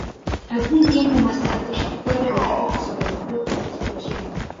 Algún tiempo más tarde fue revelado que sobrevivió a la explosión.